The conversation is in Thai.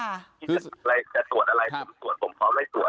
ที่จะตรวจอะไรผมตรวจผมพร้อมไล่ตรวจ